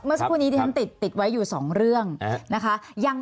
เมื่อสักครู่นี้ที่ท่านติดไว้อยู่สองเรื่องนะคะ